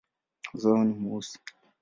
Uso wao ni mweusi.